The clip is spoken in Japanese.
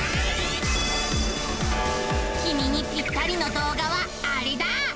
きみにぴったりの動画はアレだ！